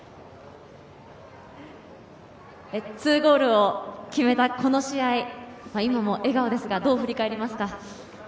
２ゴールを決めたこの試合、今も笑顔ですが、どう振り返りますか？